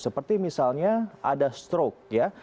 seperti misalnya ada stroke ya